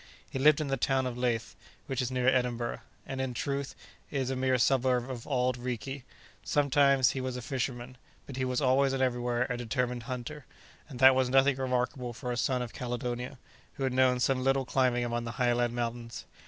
He lived in the town of Leith, which is near Edinburgh, and, in truth, is a mere suburb of Auld Reekie. Sometimes he was a fisherman, but he was always and everywhere a determined hunter, and that was nothing remarkable for a son of Caledonia, who had known some little climbing among the Highland mountains.